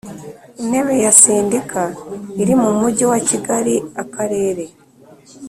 Intebe ya sendika iri mu mujyi wa Kigali Akarere